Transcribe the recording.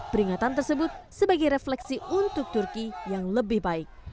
peringatan tersebut sebagai refleksi untuk turki yang lebih baik